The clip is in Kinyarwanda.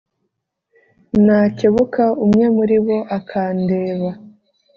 nakebuka umwe muri bo akandeba